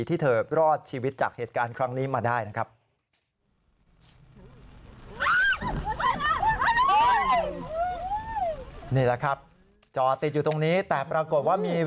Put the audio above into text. ที่เธอรอดชีวิตจากเหตุการณ์ครั้งนี้มาได้นะครับ